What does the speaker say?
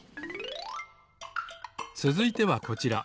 つづいてはこちら。